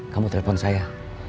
kamu telepon saya